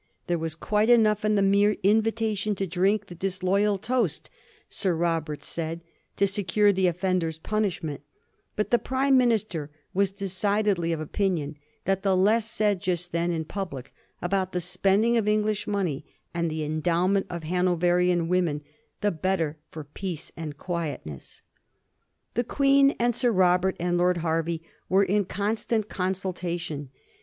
There was quite enough in the mere invitation to drink the disloyal toast, Sir Robert said, to secure the offender's punishment; but the Prime minister was decidedly of opinion that the less said just then in public about the spending of English money and the endowment of Hanoverian women, the better for peace and quietness. The Queen and Sir Robert and Lord Hervey were in constant consultation.